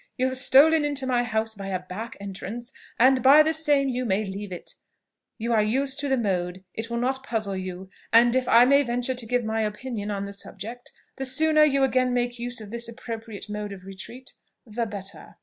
You have stolen into my house by a back entrance, and by the same you may leave it; you are used to the mode, it will not puzzle you; and, if I may venture to give my opinion on the subject, the sooner you again make use of this appropriate mode of retreat the better."